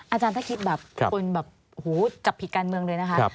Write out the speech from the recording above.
อาจารย์ถ้าคิดแบบคนแบบจับผิดการเมืองเลยนะคะ